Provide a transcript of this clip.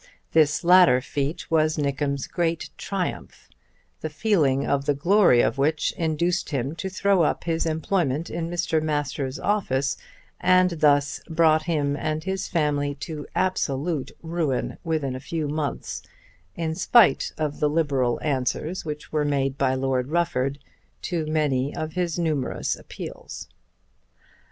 This latter feat was Nickem's great triumph, the feeling of the glory of which induced him to throw up his employment in Mr. Masters' office, and thus brought him and his family to absolute ruin within a few months in spite of the liberal answers which were made by Lord Rufford to many of his numerous appeals.